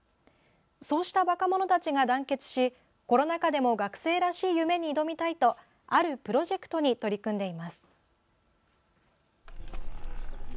そうした若者たちが団結しコロナ禍でも学生らしい夢に挑みたいとあるプロジェクトに取り組んでいます。